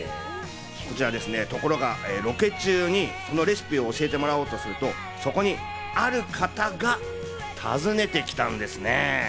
ところがロケ中にそのレシピを教えてもらおうとすると、そこにある方が訪ねてきたんですね。